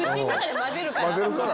混ぜるから？